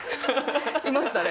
いましたね。